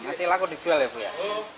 masih laku dijual ya bu ya